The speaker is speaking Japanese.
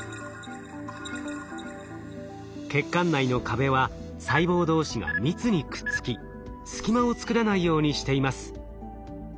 血管内の壁は細胞同士が密にくっつき隙間を作らないようにしています。